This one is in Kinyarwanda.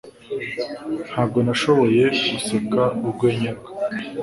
Ntabwo nashoboye guseka urwenya rwe.